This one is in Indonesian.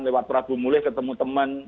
lewat prabu muleh ketemu temen